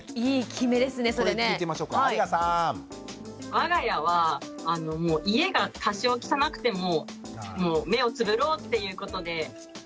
我が家は家が多少汚くても目をつぶろうっていうことではい。